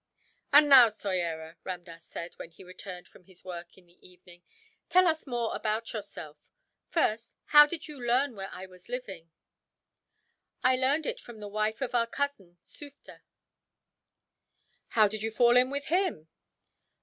"And now, Soyera," Ramdass said, when he returned from his work in the evening, "tell us more about yourself. First, how did you learn where I was living?" "I learned it from the wife of our cousin Sufder." "How did you fall in with him?"